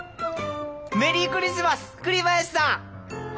メリークリスマス栗林さん。